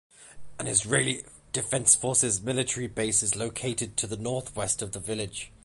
An Israel Defense Forces military base is located to the north-west of the village.